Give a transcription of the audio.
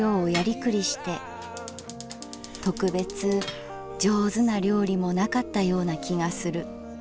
特別上手な料理もなかったような気がする。